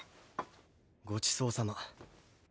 ごちそうさま。